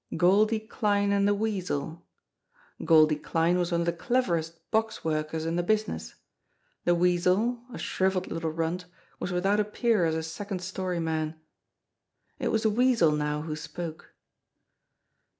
Goldie Kline and the Weasel ! Goldie Kline was one of the cleverest box workers in the business ; the Weasel, a shrivelled little runt, was without a peer as a second story man. It was the Weasel now who spoke.